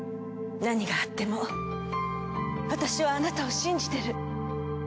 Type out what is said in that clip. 何があっても私はあなたを信じてる。